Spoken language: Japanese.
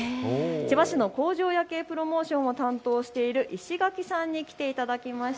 千葉市の工場夜景プロモーションを担当している石垣さんに来てもらいました。